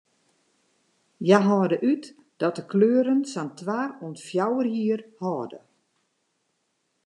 Hja hâlde út dat de kleuren sa'n twa oant fjouwer jier hâlde.